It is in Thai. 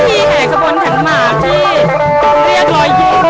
เพื่อรับความรับทราบของคุณ